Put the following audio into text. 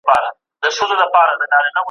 روغتیایی ټولنپوهنه اوس ډېره مشهوره سوې ده.